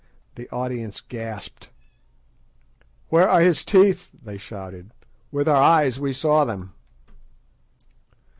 The audience gasped. "Where are his teeth?" they shouted; "with our eyes we saw them."